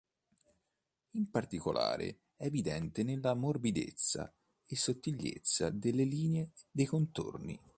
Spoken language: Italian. In particolare è evidente nella morbidezza e sottigliezza delle linee dei contorni.